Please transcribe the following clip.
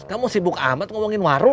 kamu sibuk amat ngomongin warung